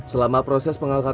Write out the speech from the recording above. selama proses pengangkatan